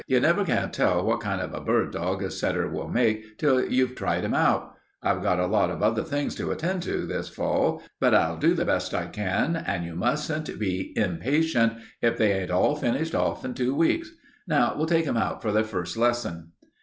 You never can tell what kind of a bird dog a setter will make till you've tried him out. I've got a lot of other things to attend to this fall, too. But I'll do the best I can, and you mustn't be impatient if they ain't all finished off in two weeks. Now we'll take 'em out for their first lesson."